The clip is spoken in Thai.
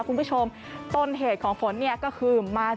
คุณผู้ชมต้นเหตุของฝนเนี่ยก็คือมา